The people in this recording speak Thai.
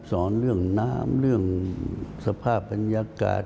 สอนเรื่องน้ำเรื่องสภาพบรรยากาศ